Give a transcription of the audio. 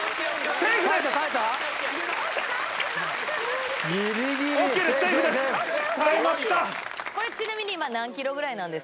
セーフです。